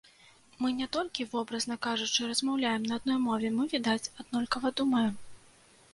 Мы не толькі, вобразна кажучы, размаўляем на адной мове, мы, відаць, аднолькава думаем.